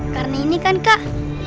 karena ini kan kak